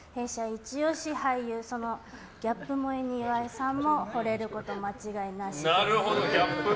イチ押し俳優そのギャップ萌えに岩井さんもほれること間違いなしです。